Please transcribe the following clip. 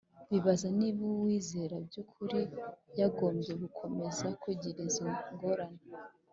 Bibaza niba uwizera by'ukuri yagombye gukomeza kugira izo ngorane.